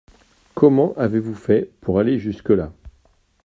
Comment avez-vous fait pour aller jusque là ?